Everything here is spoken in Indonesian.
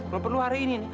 lo perlu hari ini nih